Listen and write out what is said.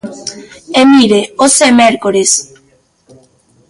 E, mire, hoxe é mércores.